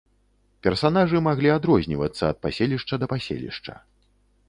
Персанажы маглі адрознівацца ад паселішча да паселішча.